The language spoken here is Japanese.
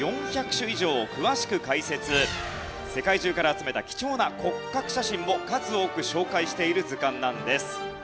世界中から集めた貴重な骨格写真も数多く紹介している図鑑なんです。